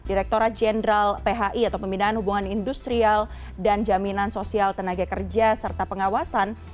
direkturat jenderal phi atau pembinaan hubungan industrial dan jaminan sosial tenaga kerja serta pengawasan